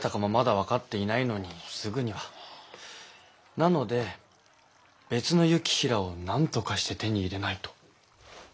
なので別の行平を何とかして手に入れないと。